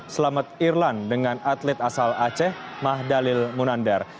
selamet irlan dengan atlet asal aceh mahdalil munander